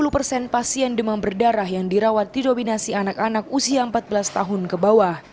dua puluh persen pasien demam berdarah yang dirawat didominasi anak anak usia empat belas tahun ke bawah